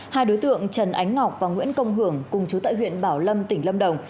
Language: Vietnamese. hai đối tượng trần ánh ngọc và nguyễn công hưởng cùng chú tại huyện bảo lâm tỉnh lâm đồng